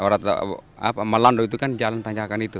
karena melandu itu kan jalan tanjakan itu